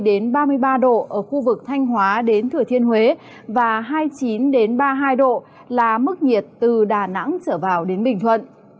đến ba mươi ba độ ở khu vực thanh hóa đến thừa thiên huế và hai mươi chín ba mươi hai độ là mức nhiệt từ đà nẵng trở vào đến bình thuận